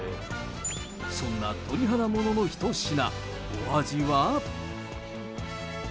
そんな鳥肌ものの一品、お味は？